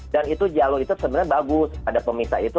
dan itu jalur itu sebenarnya bagus ada pemisah itu